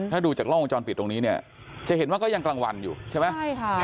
ถ้าดูจากกล้องวงจรปิดตรงนี้เนี่ยจะเห็นว่าก็ยังกลางวันอยู่ใช่ไหมใช่ค่ะ